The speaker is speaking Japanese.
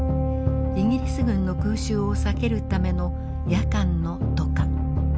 イギリス軍の空襲を避けるための夜間の渡河。